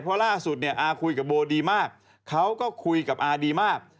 เพราะล่าสุดเนี่ยอาคุยกับโบดีมากเขาก็คุยกับอาดีมาก